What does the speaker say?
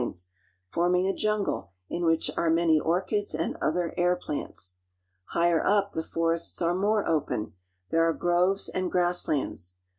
Hnes, forming a jungle in which are many orchids and • "Other air plants. Higher up, the forests are more open; there are groves and grasslands.